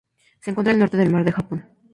Se encuentra al norte del Mar del Japón.